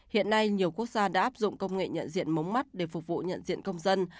hiện nay nhiều quốc gia đã áp dụng công nghệ nhận diện mống mắt để phục vụ nhận diện công dân